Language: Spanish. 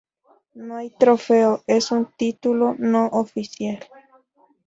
No hay trofeo, es un título no oficial.